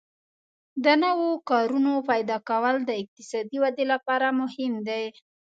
د نوو کارونو پیدا کول د اقتصادي ودې لپاره مهم دي.